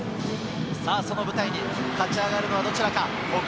その舞台に勝ち上がるのはどちらか。